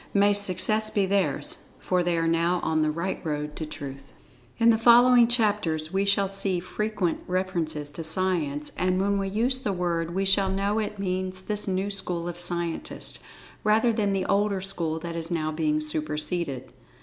May success be theirs, for they are now on the right road to Truth. In the following chapters we shall see frequent references to "Science"—and when we use the word we shall know it means this new school of Scientists, rather than the older school that is now being superceded.